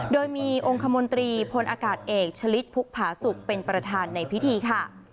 โดยมีองค์คมนตรีพลอากาศเอกชะลิดพุกผาสุกเป็นประธานในพิธีค่ะ